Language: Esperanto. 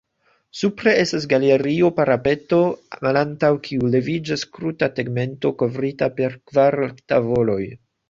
Supre estas galerio-parapeto, malantaŭ kiu leviĝas kruta tegmento kovrita per kvar tavoloj.